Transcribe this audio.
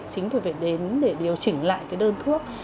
chính vì phải đến để điều chỉnh lại đơn thuốc